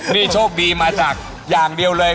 นี่โชคดีมาจากอย่างเดียวเลย